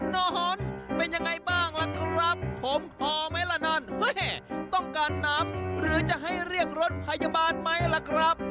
นอนเป็นยังไงบ้างล่ะครับขมคอไหมล่ะนั่นต้องการน้ำหรือจะให้เรียกรถพยาบาลไหมล่ะครับ